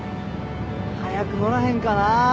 早く載らへんかな。